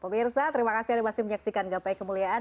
pemirsa terima kasih anda masih menyaksikan gapai kemuliaan